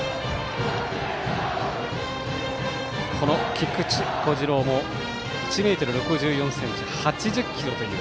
菊池虎志朗も１ｍ６４ｃｍ８０ｋｇという。